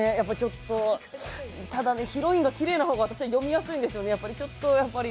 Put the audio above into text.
ただ、ヒロインがきれいな方が私は読みやすいんですよね。